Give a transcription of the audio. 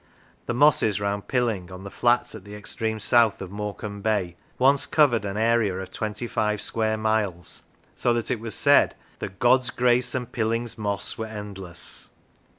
The mosses round Pilling, on the flats at the extreme south of More cambe Bay, once covered an area of twenty five square miles, so that it was said that " God's grace and Filling's moss were endless."